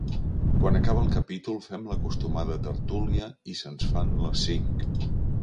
Quan acaba el capítol fem l'acostumada tertúlia i se'ns fan les cinc.